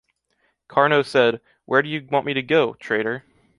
Carnot said: ‘Where do you want me to go, traitor?’